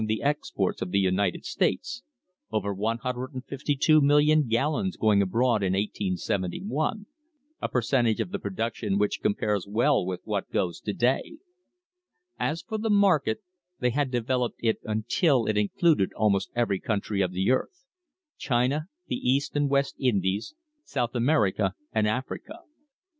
the expoxtsi aLthe United States, over 152,000,000 gallons going abroad in 1871, a percentage of the production which compares well with what goes to day.* As for the market, they had developed it until it included almost every country of the earth — China, the East and West Indies, South America and Africa.